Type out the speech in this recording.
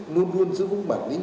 luôn luôn giữ vững bản lĩnh